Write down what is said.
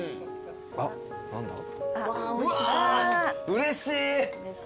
うれしい。